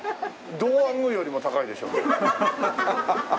銅アグーよりも高いでしょ。